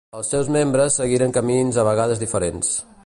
Els seus membres seguiren camins a vegades diferents.